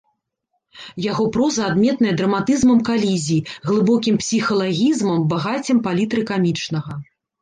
Яго проза адметная драматызмам калізій, глыбокім псіхалагізмам, багаццем палітры камічнага.